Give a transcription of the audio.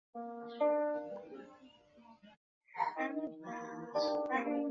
守备位置为一垒手。